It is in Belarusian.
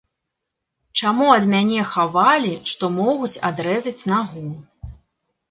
Чаму ад мяне хавалі, што могуць адрэзаць нагу?